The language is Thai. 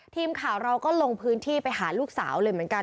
ทีมข่าวเราก็ลงพื้นที่ไปหาลูกสาวเลยเหมือนกัน